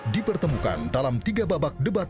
dipertemukan dalam tiga babak debat